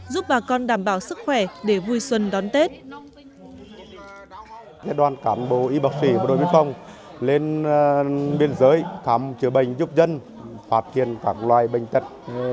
giúp bà con đảm bảo sức khỏe để vui xuân đón tết